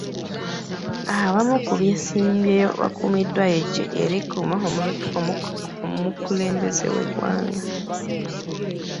Abamu ku beesimbyewo bakuumibwa eggye erikuuma omukulembeze w'eggwanga.